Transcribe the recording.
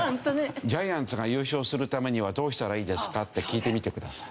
「ジャイアンツが優勝するためにはどうしたらいいですか？」って聞いてみてください。